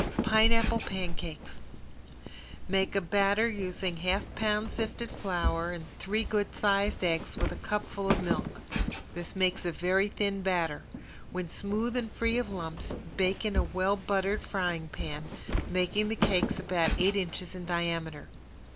~PINEAPPLE PANCAKES~ Make a batter using half pound sifted flour and three good sized eggs with a cupful of milk. This makes a very thin batter. When smooth and free from lumps, bake in a well buttered frying pan, making the cakes about eight inches in diameter.